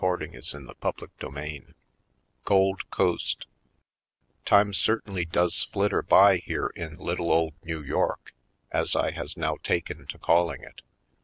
Poindexterj Colored CHAPTER VI Gold Coast TIME certainly does flitter by here in little old New York, as I has now taken to calling it.